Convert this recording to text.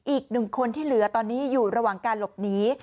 อีก๑คนกำลังที่เหลืออยู่ระหว่างการหลบหนี